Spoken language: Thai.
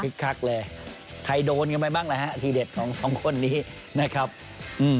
ครึกครับแหละใครโดนกันไปบ้างล่ะฮะทีเด็ดของสองคนนี้นะครับอืม